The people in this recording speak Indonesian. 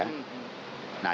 nah yang kedua